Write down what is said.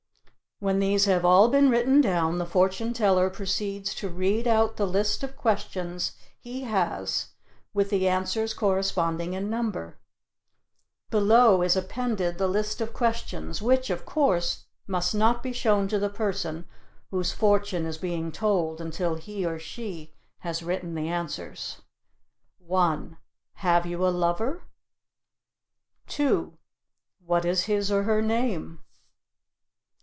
When these have all been written down, the Fortune Teller proceeds to read out the list of questions he has, with the answers corresponding in number. Below is appended the list of questions, which, of course, must not be shown to the person whose fortune is being told until he or she has written the answers. 1. Have you a lover? 2. What is his or her name?